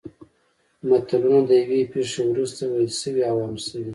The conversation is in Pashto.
متلونه د یوې پېښې وروسته ویل شوي او عام شوي